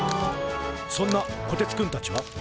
そんなこてつくんたちは。